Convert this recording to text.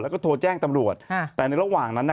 แล้วก็โทรแจ้งตำรวจแต่ในระหว่างนั้นน่ะ